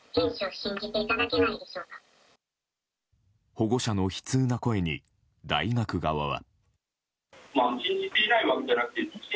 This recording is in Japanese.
保護者の悲痛な声に大学側は。